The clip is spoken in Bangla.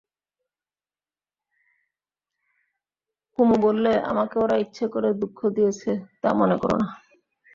কুমু বললে, আমাকে ওরা ইচ্ছে করে দুঃখ দিয়েছে তা মনে করো না।